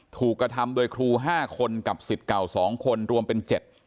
ถูกกระทำโดยครู๕คนกับสิทธิ์เก่า๒คนรวมเป็น๗